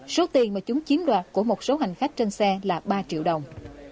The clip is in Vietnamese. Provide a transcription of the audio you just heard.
số tiền mà chúng chiếm đoạt của một số hành khách trên xe là ba triệu đồng